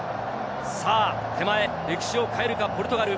手前、歴史を変えるか、ポルトガル。